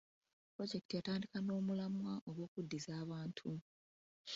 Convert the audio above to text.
Pulojekiti yatandika n'omulamwa gw'okuddiza abantu.